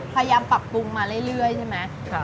พยายามปรับปรุงมาเรื่อยใช่ไหม